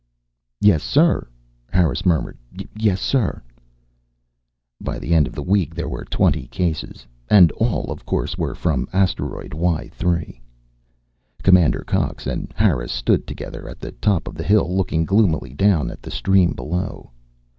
"Yes, sir," Harris murmured. "Yes, sir." By the end of the week there were twenty cases, and all, of course, were from Asteroid Y 3. Commander Cox and Harris stood together at the top of the hill, looking gloomily down at the stream below.